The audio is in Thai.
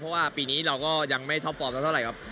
เพราะว่าปีนี้เราก็ยังไม่ท็อปฟอร์มสักเท่าไหร่ครับ